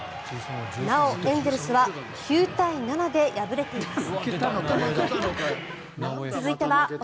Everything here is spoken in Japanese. なお、エンゼルスは９対７で敗れています。